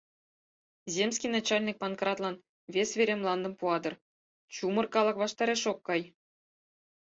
Земский начальник Панкратлан вес вере мландым пуа дыр, чумыр калык ваштареш ок кай.